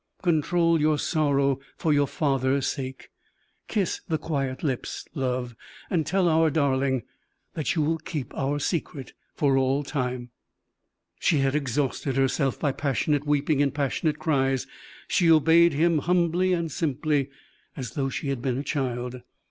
Control your sorrow for your father's sake. Kiss the quiet lips, love, and tell our darling that you will keep our secret for all time." She had exhausted herself by passionate weeping and passionate cries, she obeyed him, humbly and simply, as though she had been a child.